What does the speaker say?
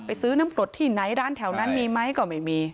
ซื้อน้ำกรดที่ไหนร้านแถวนั้นมีไหมก็ไม่มี